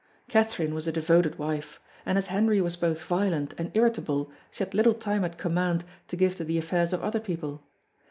Catherine was a devoted wife; and as Henry was both violent and irritable she had little time at command to give to the affairs of other people.